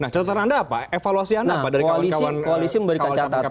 nah catatan anda apa evaluasi anda apa dari kawan kawan kpk ini